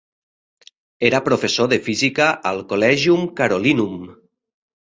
Era professor de física al Collegium Carolinum.